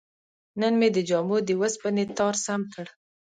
نن مې د جامو د وسپنې تار سم کړ.